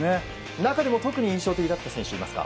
中でも特に印象的だった選手はいますか。